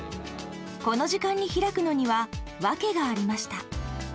この時間に開くのには訳がありました。